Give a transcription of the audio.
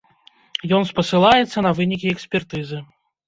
Ён спасылаецца на вынікі экспертызы.